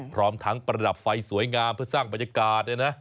พร้อมทั้งประดับไฟสวยงามเพื่อสร้างบรรยากาศ